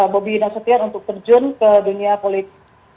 bobi nasution untuk terjun ke dunia politik